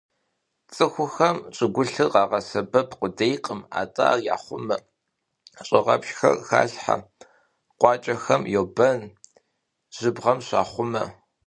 ЦӀыхухэм щӀыгулъыр къагъэсэбэп къудейкъым, атӀэ ар яхъумэ: щӀыгъэпшэр халъхьэ, къуакӀэхэм йобэн, жьыбгъэм щахъумэ.